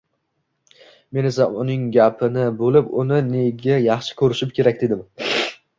Men esa uning gapini bo’lib: “Uni nega yaxshi ko’rishim kerak” dedim.